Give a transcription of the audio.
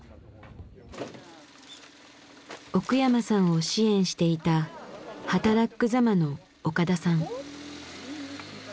奥山さんを支援していたはたらっく・ざまの岡田さん。